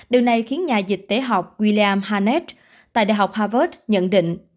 điều này khiến nhà dịch tế học william harnett tại đại học harvard nhận định